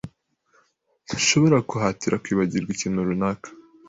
Ntushobora guhatira kwibagirwa ikintu runaka.